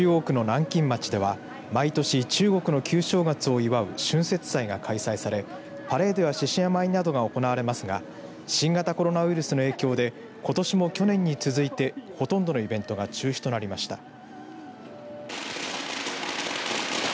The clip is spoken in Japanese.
神戸市中央区の南京町では毎年、中国の旧正月を祝う春節祭が開催されパレードや獅子舞などが行われますが新型コロナウイルスの影響でことしも去年に続いてほとんどのイベントが中止となりました。